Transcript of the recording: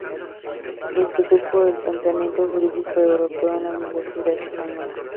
Introdujo el pensamiento jurídico europeo en la universidad española.